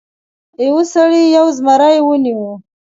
یو سړي یو زمری ونیو.